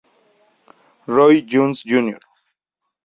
Roy Jones, Jr.